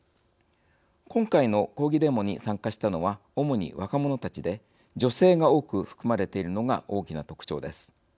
今回の抗議デモに参加したのは主に若者たちで女性が多く含まれているのが大きな特徴です。